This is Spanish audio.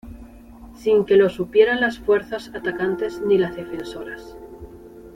Sin que lo supieran las fuerzas atacantes ni las defensoras.